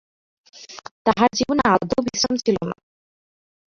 তাঁহার জীবনে আদৌ বিশ্রাম ছিল না।